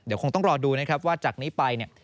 เดี๋ยวคงต้องรอดูนะครับว่าจากนี้ไปเนี่ย